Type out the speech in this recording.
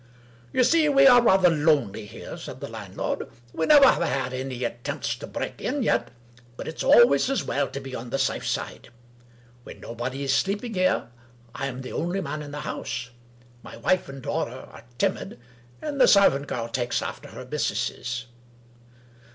" You see, we are rather lonely here," said the landlord. " We never have had any attempts to break in yet, but it's always as well to be on the safe side. When nobody is sleeping here, I am the only man in the house. My wife and daughter are timid, and the servant girl takes after her missuses.